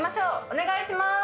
お願いします。